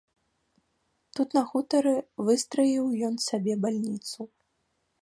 Тут на хутары выстраіў ён сабе бальніцу.